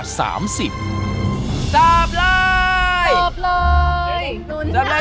จับเลย